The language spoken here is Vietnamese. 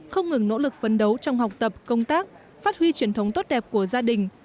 không ngừng nỗ lực phấn đấu trong học tập công tác phát huy truyền thống tốt đẹp của gia đình